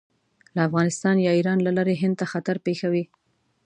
له افغانستان یا ایران له لارې هند ته خطر پېښوي.